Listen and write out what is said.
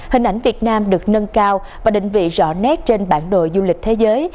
hình ảnh việt nam được nâng cao và định vị rõ nét trên bản đồ du lịch thế giới